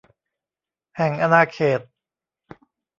แห่งอาณาเขต